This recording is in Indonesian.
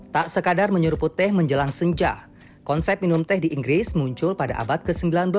tak sekadar menyeruput teh menjelang senja konsep minum teh di inggris muncul pada abad ke sembilan belas